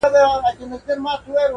ځاله د زمرو سوه په نصیب د سورلنډیو-